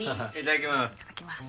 いただきます。